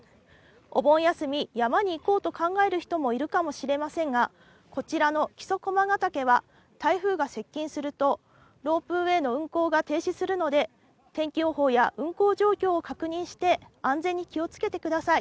お盆休み、山に行こうと考える人もいるかもしれませんが、こちらの木曽駒ヶ岳は台風が接近すると、ロープウエーの運行が停止するので、天気予報や運行状況を確認して、安全に気をつけてください。